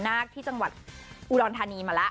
ในจังหวัดอุรณฑานีมาแล้ว